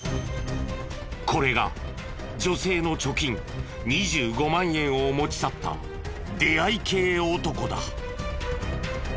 これが女性の貯金２５万円を持ち去った出会い系男だ。